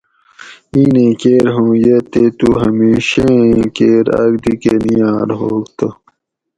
ایں نیں کیر ھوں یہ تے تو ھمیشہ ایں کیر آک دی کہ نیاۤر ھوگ تہ